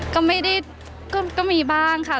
ก็ไม่ได้ก็มีบ้างค่ะ